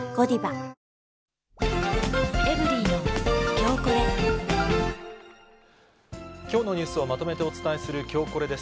糖質ゼロきょうのニュースをまとめてお伝えする、きょうコレです。